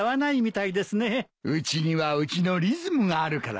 うちにはうちのリズムがあるからな。